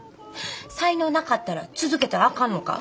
才能なかったら続けたらあかんのか？